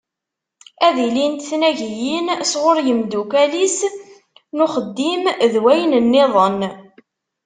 Ad ilint tnagiyin sɣur yimeddukkal-is n uxeddim d wayen-nniḍen.